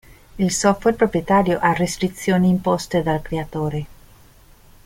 Il software proprietario ha restrizioni imposte dal creatore.